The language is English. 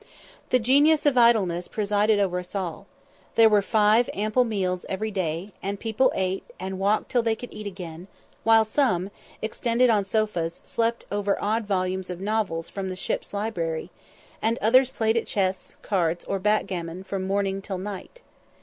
The genius of Idleness presided over us all. There were five ample meals every day, and people ate, and walked till they could eat again; while some, extended on sofas, slept over odd volumes of novels from the ship's library, and others played at chess, cards, or backgammon from morning to night.